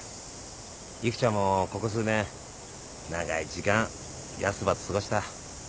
育ちゃんもここ数年長い時間ヤスばと過ごした。